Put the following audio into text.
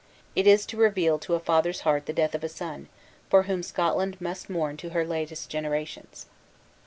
It is to reveal to a father's heart the death of a son, for whom Scotland must mourn to her latest generations."